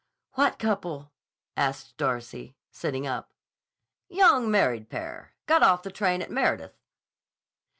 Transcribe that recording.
"What couple?" asked Darcy, sitting up. "Young married pair. Got off the train at Meredith."